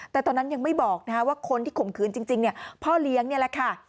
แต่ตอนนั้นยังไม่บอกว่าคนที่ข่มขืนจริงเนี่ยพ่อเลี้ยงนี่แหละค่ะ